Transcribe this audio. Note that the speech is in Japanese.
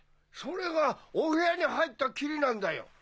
それがお部屋に入ったきりなんだよ。